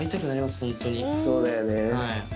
そうだよね。